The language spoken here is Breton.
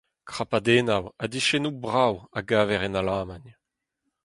Krapadennoù ha diskennoù brav a gaver en Alamagn.